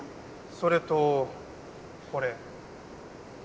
それとこれ。